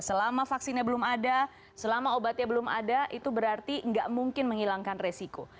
selama vaksinnya belum ada selama obatnya belum ada itu berarti nggak mungkin menghilangkan resiko